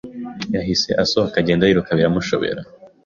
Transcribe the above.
yahise asohoka agenda yiruka biramushobera